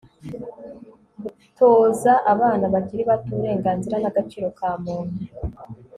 gutoza abana bakiri bato uburengazira n'agaciro ka muntu